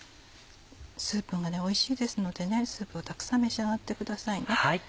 スープがおいしいですのでスープをたくさん召し上がってくださいね。